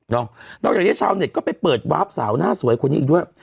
นอกจากนี้ชาวเน็ตก็ไปเปิดวาร์ฟสาวหน้าสวยคนนี้อีกด้วย